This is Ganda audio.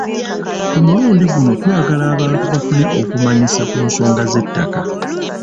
Ku mulundi guno twagala abantu bafune okumanyisa ku nsonga z'ettaka.